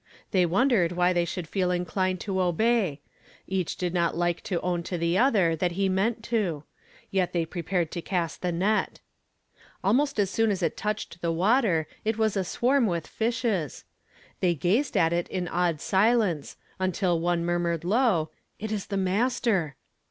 They wondered why they should feel inclined to obey ; each did not hke to own to the other that he meant to ; yet they pre pared to cast the net. Almost as soon as it touched the water it was aswarm with fishes! They gazed at it in awed silence, until one mur mured low :" It is the ^Master